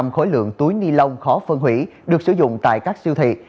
khối lượng túi ni lông khó phân hủy được sử dụng tại các siêu thị